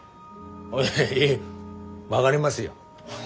いえいえ分がりますよ。